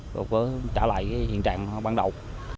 rồi có trả lại hiện trạng ban đầu